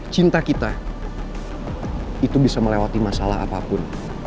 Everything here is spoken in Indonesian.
cinta kita itu bisa melewati masalah apapun